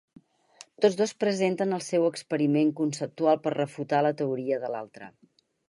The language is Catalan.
Tots dos presenten el seu experiment conceptual per refutar la teoria de l'altre.